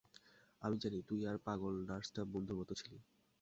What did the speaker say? আমি জানি তুই আর পাগল নার্সটা বন্ধুর মতো ছিলি।